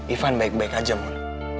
ivan baik baik aja murni